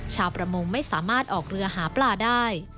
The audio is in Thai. ชาวประมงไม่สามารถออกเรือหาปลาได้